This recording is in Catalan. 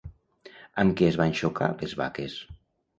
Amb què es van xocar les vaques?